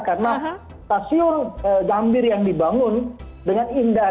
karena stasiun gambir yang dibangun dengan indah